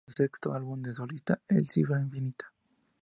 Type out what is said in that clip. Ese mismo año edita su sexto álbum solista, "La cifra infinita".